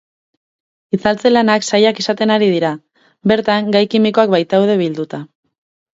Itzaltze lanak zailak izaten ari dira, bertan gai kimikoak baitaude bilduta.